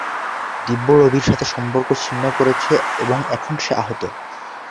দিব্যা রবির সাথে সম্পর্ক ছিন্ন করেছে এবং এখন সে আহত।